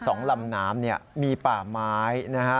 สองลำน้ำเนี่ยมีป่าไม้นะฮะ